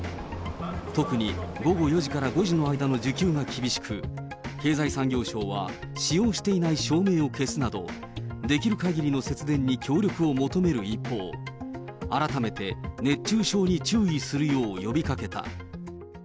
特に午後４時から５時の間の需給が厳しく、経済産業省は、使用していない照明を消すなど、できるかぎりの節電に協力を求める一方、改めて熱中症に注意するよう呼びかけた。